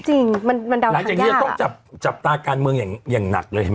หลังจากนี้ก็ต้องจับตาการเมืองอย่างหนักเลย